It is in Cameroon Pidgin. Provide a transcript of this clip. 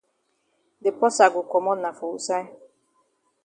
De porsa go komot na for wusaid?